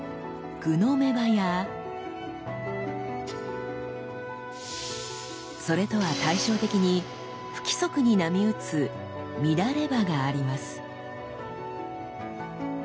「互の目刃」やそれとは対照的に不規則に波打つ「乱刃」があります。